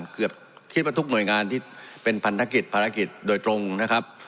คิดว่าทุกหน่วยงานที่เป็นพันธกิจภารกิจโดยตรงนะครับ